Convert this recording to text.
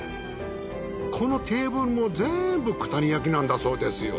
このテーブルもぜんぶ九谷焼なんだそうですよ。